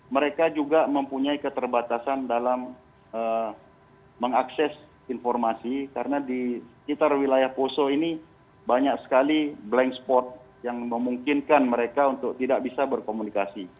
mereka juga mempunyai keterbatasan dalam mengakses informasi karena di sekitar wilayah poso ini banyak sekali blank spot yang memungkinkan mereka untuk tidak bisa berkomunikasi